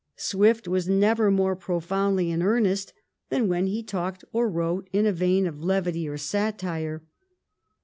Swift was never more profoundly in earnest than when he talked or wrote in a vein of levity or satire.